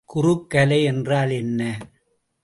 குறுக்கலை என்றால் என்ன?